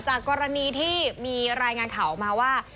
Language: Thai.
กรณีที่มีรายงานข่าวออกมาว่า